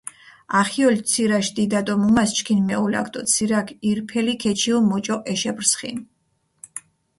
ახიოლ ცირაშ დიდა დო მუმას ჩქინ მეულაქ დო ცირაქ ირფელი ქეჩიუ მუჭო ეშეფრსხინ.